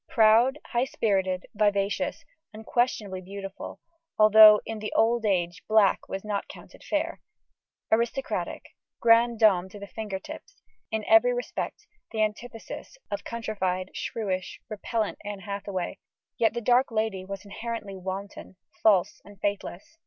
Proud, high spirited, vivacious unquestionably beautiful, although "in the old age black was not counted fair" aristocratic, grande dame to the finger tips: in every respect the antithesis of countrified, shrewish, repellent Anne Hathaway yet the "dark lady" was inherently wanton, false, and faithless.